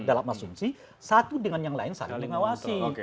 dalam asumsi satu dengan yang lain saling mengawasi